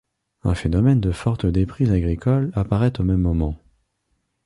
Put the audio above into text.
Un phénomène de forte déprise agricole apparaît au même moment.